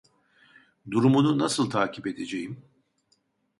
Durumunu nasıl takip edeceğim?